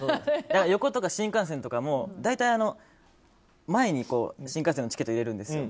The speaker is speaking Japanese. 旅行とか新幹線とかでも新幹線のチケット入れるんですよ。